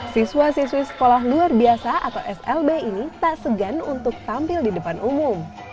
siswa siswi sekolah luar biasa atau slb ini tak segan untuk tampil di depan umum